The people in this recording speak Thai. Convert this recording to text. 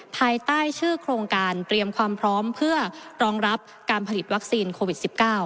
ภายใต้ชื่อโครงการเตรียมความพร้อมเพื่อรองรับการผลิตวัคซีนโควิด๑๙